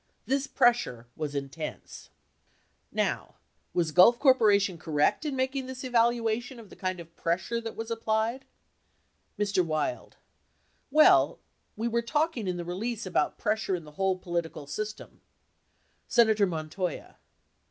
This pressure was intense Row, was Gulf Corp. correct in making this evaluation of the kind of pressure that was applied ? Mr. Wild. Well, we were talking in the release about pres sure in the whole political system. Senator Montoya.